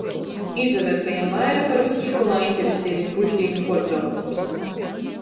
Izaver, ka jam vaira par vysu školā iņteresej viņ pušdiņu puortraukums...